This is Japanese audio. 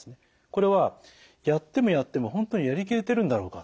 これはやってもやっても本当にやりきれてるんだろうか。